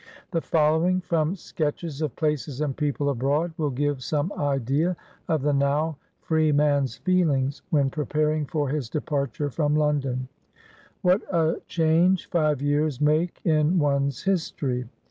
The following, from " Sketches of Places and People Abroad," will give some idea of the (now) freeman's feelings, when preparing for his departure from Lon don :—" What a change five years make in one's history